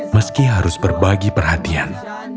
meski harus berbagi perhatian